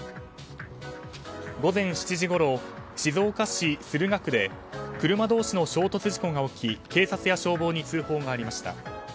午前７時ごろ静岡市駿河区で、車同市の衝突事故が起き警察や消防に通報がありました。